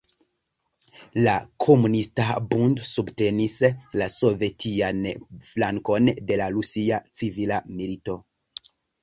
La Komunista Bund subtenis la sovetian flankon de la Rusia Civila Milito.